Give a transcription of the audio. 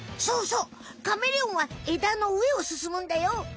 そうそうカメレオンは枝の上をすすむんだよ。